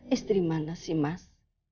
istri mana sih mas